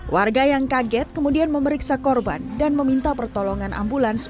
warga yang kaget kemudian memeriksa korban dan meminta pertolongan ambulans